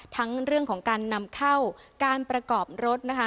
ทั้งเรื่องของการนำเข้าการประกอบรถนะคะ